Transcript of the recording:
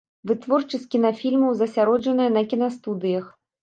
Вытворчасць кінафільмаў засяроджанае на кінастудыях.